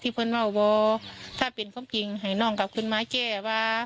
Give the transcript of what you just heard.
เพื่อนว่าถ้าเป็นความจริงให้น้องกลับขึ้นมาแก้ว่า